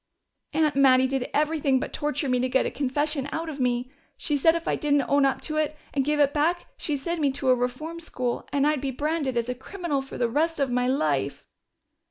"Aunt Mattie did everything but torture me to get a confession out of me. She said if I didn't own up to it and give it back she'd send me to a reform school, and I'd be branded as a criminal for the rest of my life."